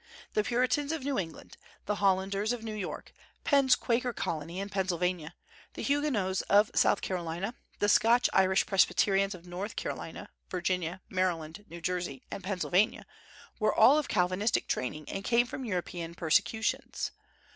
The Puritans of New England, the Hollanders of New York, Penn's Quaker colony in Pennsylvania, the Huguenots of South Carolina, the Scotch Irish Presbyterians of North Carolina, Virginia, Maryland, New Jersey, and Pennsylvania, were all of Calvinistic training and came from European persecutions.